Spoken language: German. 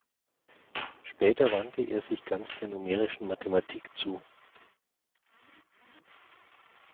Später wandte er sich ganz der Numerischen Mathematik zu.